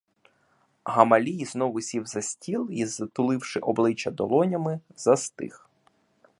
Гамалій знову сів за стіл й, затуливши обличчя долонями, застиг.